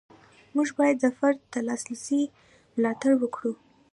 موږ باید د فرد د لاسرسي ملاتړ وکړو.